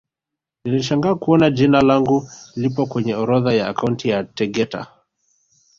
Nilishangaa kuona jina langu lipo kwenye orodha ya akaunti ya Tegeta